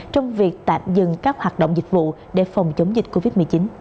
trong việc tạm dừng các hoạt động dịch vụ để phòng chống dịch covid một mươi chín